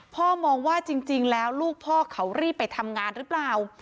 มองว่าจริงแล้วลูกพ่อเขารีบไปทำงานหรือเปล่า